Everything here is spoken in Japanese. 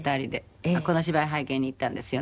この芝居拝見に行ったんですよね。